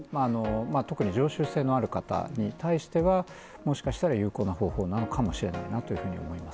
特に常習性のある方に対してはもしかしたら有効な方法なのかもしれないなというふうに思います。